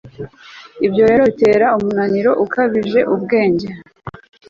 Ibyo rero bitera umunaniro ukabije ubwenge